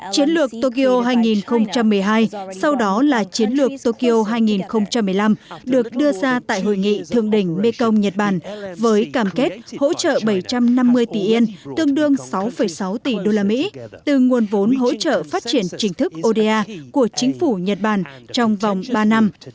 chiến lược tokyo hai nghìn một mươi hai sau đó là chiến lược tokyo hai nghìn một mươi năm được đưa ra tại hội nghị thượng đỉnh mekong nhật bản với cam kết hỗ trợ bảy trăm năm mươi tỷ yên tương đương sáu sáu tỷ usd từ nguồn vốn hỗ trợ phát triển chính thức oda của chính phủ nhật bản trong vòng ba năm